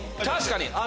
確かに。